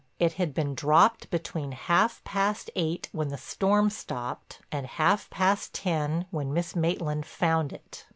It had been dropped between half past eight when the storm stopped and half past ten when Miss Maitland found it.